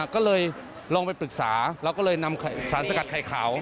ก็เลยลองไปปรึกษาเราก็เลยนำสารสกัดไข่ขาว